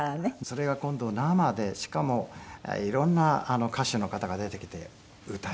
それが今度生でしかも色んな歌手の方が出てきて歌える。